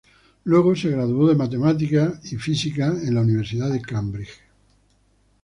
Luego, se graduó de Matemáticos y Física en la Universidad de Cambridge.